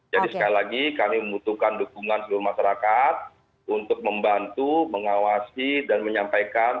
sekali lagi kami membutuhkan dukungan seluruh masyarakat untuk membantu mengawasi dan menyampaikan